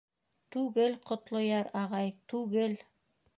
— Түгел, Ҡотлояр ағай, түгел!